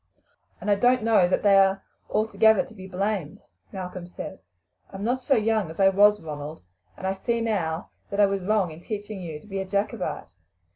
"And I don't know that they are altogether to be blamed," Malcolm said. "I am not so young as I was, Ronald, and I see now that I was wrong in teaching you to be a Jacobite.